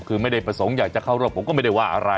คือไม่ได้ประสงค์อยากจะเข้าร่วมผมก็ไม่ได้ว่าอะไร